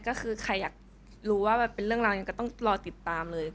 ก็คือใครอยากรู้ว่าเป็นเรื่องราวยังไงก็ต้องรอติดตามเลย